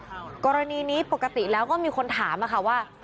กรณีนี้ปกติแล้วก็มีคนถามอะค่ะว่า